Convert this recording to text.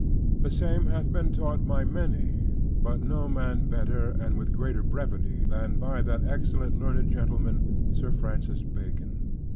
The same hath been taught by many, but no man better, and with greater brevity, than by that excellent learned gentleman, Sir Francis Bacon.